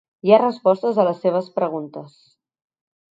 I ha resposts a les seves preguntes.